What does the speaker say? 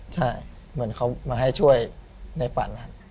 ใช่เหมือนเขามาให้ช่วยในฝัน